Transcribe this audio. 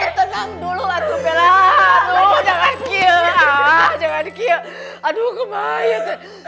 kamu tenang dulu aku belahan aduh jangan kie aduh jangan kie aduh kebayang teh